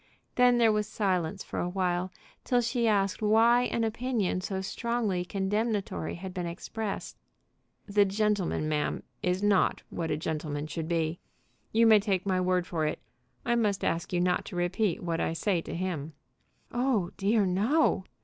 Then there was silence for awhile, till she asked why an opinion so strongly condemnatory had been expressed. "The gentleman, ma'am, is not what a gentleman should be. You may take my word for it. I must ask you not to repeat what I say to him." "Oh dear, no."